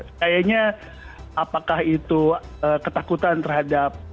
kayaknya apakah itu ketakutan terhadap